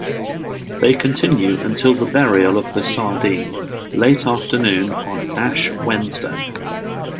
They continue until the burial of the sardine - late afternoon on Ash Wednesday.